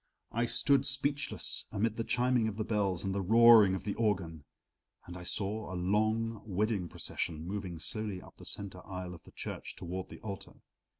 I stood speechless amid the chiming of the bells and the roaring of the organ, and I saw a long wedding procession moving slowly up the center aisle of the church toward the altar.